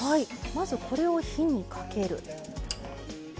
まずこれを火にかける。